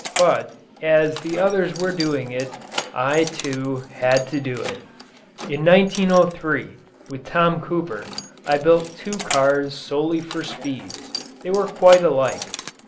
But, as the others were doing it, I, too, had to do it. In 1903, with Tom Cooper, I built two cars solely for speed. They were quite alike.